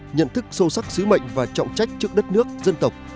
nhận thức sâu sắc sứ mệnh và trọng trách trước đất nước dân tộc